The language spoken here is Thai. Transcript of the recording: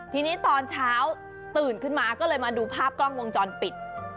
ทีนี้ตอนเช้าตื่นขึ้นมาก็เลยมาดูภาพกล้องวงจรปิด